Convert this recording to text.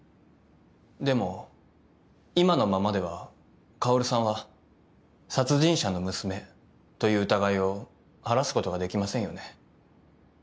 でも今のままでは薫さんは殺人者の娘という疑いを晴らすことができませんよね。